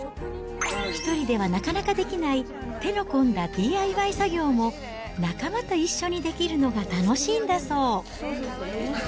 ひとりではなかなかできない、手の込んだＤＩＹ作業も、仲間と一緒にできるのが楽しいんだそう。